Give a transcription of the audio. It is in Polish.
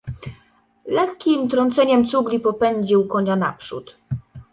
Lekkim trąceniem cugli popędził konia naprzód.